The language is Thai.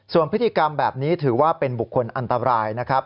ส่วนพฤติกรรมแบบนี้ถือว่าเป็นบุคคลอันตรายนะครับ